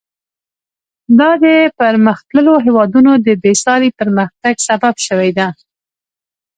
دا د پرمختللو هېوادونو د بېساري پرمختګ سبب شوې ده.